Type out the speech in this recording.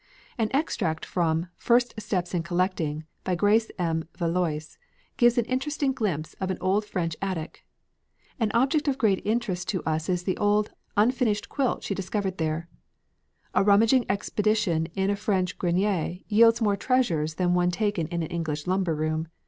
An extract from "First Steps in Collecting," by Grace M. Vallois, gives an interesting glimpse of an old French attic. An object of great interest to us is the old, unfinished quilt she discovered there: "A rummaging expedition in a French grenier yields more treasures than one taken in an English lumber room.